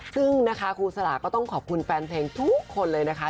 ซึ่งนะคะครูสลาก็ต้องขอบคุณแฟนเพลงทุกคนเลยนะคะ